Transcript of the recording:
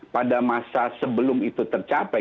pada masa sebelum itu tercapai